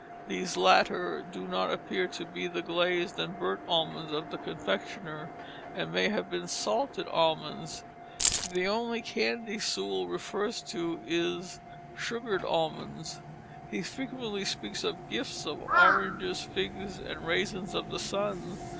These latter do not appear to be the glazed and burnt almonds of the confectioner, and may have been salted almonds. The only candy Sewall refers to is sugared almonds. He frequently speaks of gifts of oranges, figs, and "raisins of the sun."